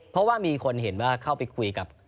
เพราะว่ามีคนเห็นว่าเข้าไปคุยกับ